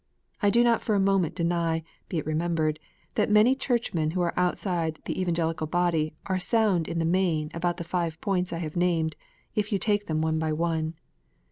I do not for a moment deny, be it remembered, that many Churchmen who are outside the Evangelical body, are sound in the main about the five points I have named, if you take them one by one.